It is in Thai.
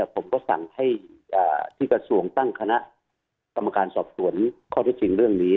ผมก็สั่งให้จิตกระส่งตั้งคณะกำอนการสอบสวนค้าวที่จริงเรื่องนี้